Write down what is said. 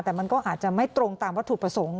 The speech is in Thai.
แต่มันก็อาจจะไม่ตรงตามวัตถุประสงค์